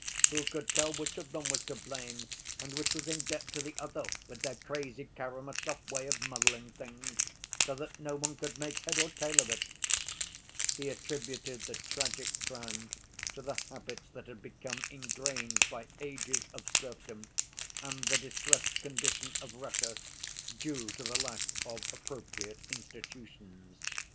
"Who could tell which of them was to blame, and which was in debt to the other, with their crazy Karamazov way of muddling things so that no one could make head or tail of it?" He attributed the tragic crime to the habits that had become ingrained by ages of serfdom and the distressed condition of Russia, due to the lack of appropriate institutions.